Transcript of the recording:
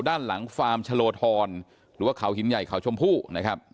ด้านหลังฟาร์มชะโลธรหรือว่าเขาหินใหญ่เขาชมพู่นะครับ